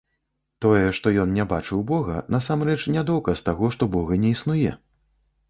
Тое, што ён не бачыў бога, насамрэч не доказ таго, што бога не існуе.